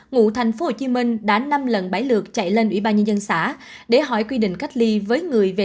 ngụ thành phố hồ chí minh đã năm lần bãi lượt chạy lên ubnd xã để hỏi quy định cách ly với người về